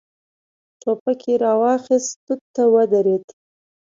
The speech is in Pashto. ټوپک يې را واخيست، توت ته ودرېد.